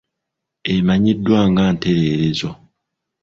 Emanyiddwa nga ntereerezo.